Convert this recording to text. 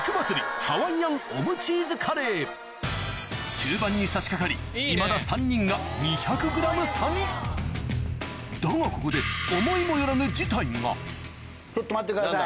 中盤に差しかかりいまだ３人が２００ｇ差にだがここでちょっと待ってください。